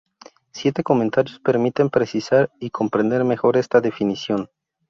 Siete comentarios permiten precisar y comprender mejor esta definición.